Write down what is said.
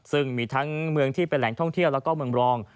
ซึ่งมีทั้งเมืองที่เป็นแหล่งท่องเที่ยวแล้วก็เมืองรอง